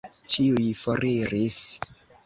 Ĉiuj foriris.